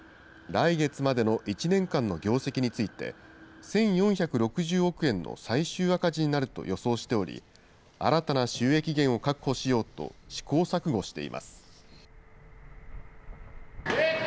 来月までの１年間の業績について、１４６０億円の最終赤字になると予想しており、新たな収益源を確保しようと試行錯誤しています。